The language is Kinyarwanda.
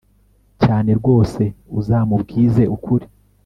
cyane rwose uzamubwize ukuri